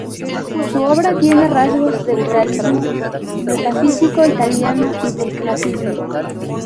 Su obra tiene rasgos del realismo metafísico italiano y del clasicismo.